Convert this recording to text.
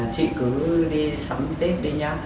chị cứ đi sắm tết đi nhá